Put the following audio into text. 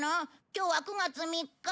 今日は９月３日。